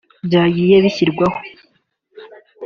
byagiye bishyirwaho